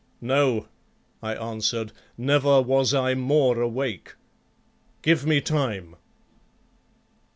"No," I answered, "never was I more awake. Give me time."